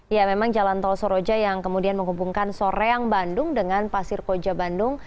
ya memang jalan tol soroja yang kemudian menghubungkan soreang bandung dengan pasir koja bandung